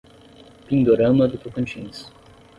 Pindorama do Tocantins